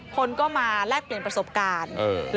คนก็มาแลกเปลี่ยนประสบการณ์